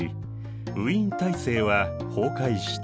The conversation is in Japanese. ウィーン体制は崩壊した。